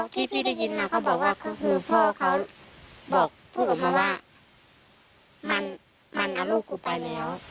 ที่พี่ได้ยินเขาบอกว่าคือพ่อเขาบอกพวกหนูมาว่ามันเอาลูกกูไปแล้ว